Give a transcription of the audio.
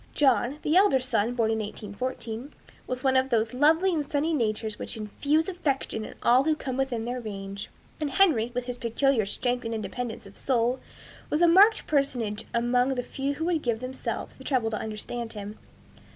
John, the elder son, born in 1814 was one of those lovely and sunny natures which infuse affection in all who come within their range; and Henry, with his peculiar strength and independence of soul, was a marked personage among the few who would give themselves the trouble to understand him.